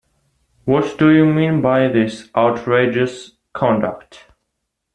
What do you mean by this outrageous conduct.